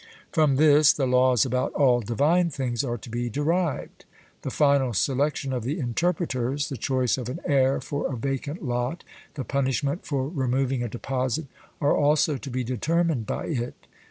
From this the laws about all divine things are to be derived. The final selection of the Interpreters, the choice of an heir for a vacant lot, the punishment for removing a deposit, are also to be determined by it.